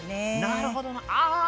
なるほどなああ！